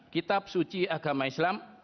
kitab suci agama islam